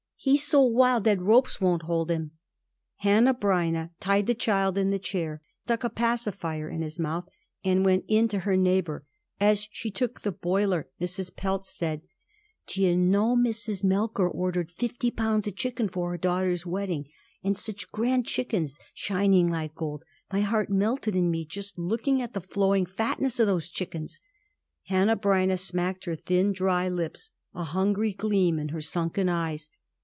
He's so wild that ropes won't hold him." Hanneh Breineh tied the child in the chair, stuck a pacifier in his mouth, and went in to her neighbor. As she took the boiler Mrs. Pelz said: "Do you know Mrs. Melker ordered fifty pounds of chicken for her daughter's wedding? And such grand chickens! Shining like gold! My heart melted in me just looking at the flowing fatness of those chickens." Hanneh Breineh smacked her thin, dry lips, a hungry gleam in her sunken eyes.